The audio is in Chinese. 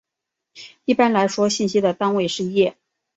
一般来说信息的单位是页。